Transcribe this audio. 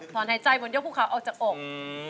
สอนหายใจหมดเยอะพูดขาวเอาจากอก